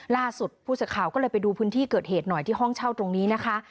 ล่าสุดผู้สื่อข่าวก็เลยไปดูพื้นที่เกิดเหตุหน่อยที่ห้องเช่าตรงนี้นะคะ